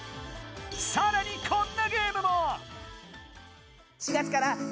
さらに、こんなゲームも！